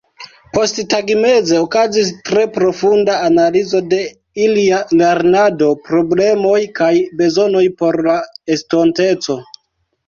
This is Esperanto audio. Posttagmeze okazis tre profunda analizo de ilia lernado, problemoj kaj bezonoj por la estonteco.